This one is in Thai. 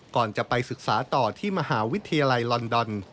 ก่อนจะไปศึกษาต่อที่มหาวิทยาลัยลอนดอน